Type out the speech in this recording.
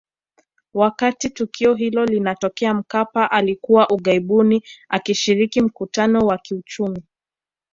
Wakati tukio hilo linatokea Mkapa alikuwa ughaibuni akishiriki mkutano wa kiuchumi